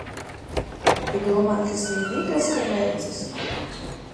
Tu domāji, ka esi vienīgais, kam veicas?